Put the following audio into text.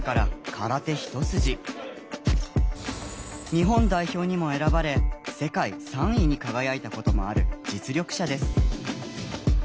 日本代表にも選ばれ世界３位に輝いたこともある実力者です。